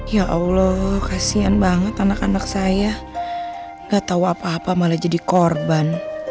ya allah kasian banget anak anak saya gak tahu apa apa malah jadi korban